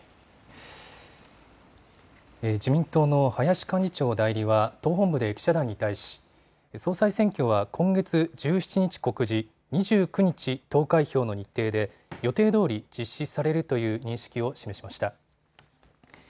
自民党の林幹事長代理は党本部で記者団に対し総裁選挙は今月１７日告示、２９日投開票の日程で予定どおり実施されるという認識を示しました。